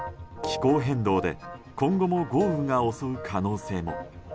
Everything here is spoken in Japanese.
気候変動で今後も豪雨が襲う可能性も。